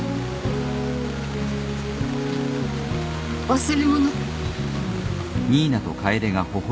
忘れ物。